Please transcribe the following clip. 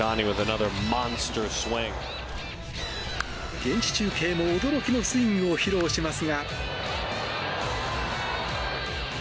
現地中継も驚きのスイングを披露しますが。